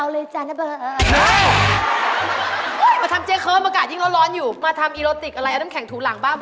เรียกว่าคุณหลวงคุณหลวง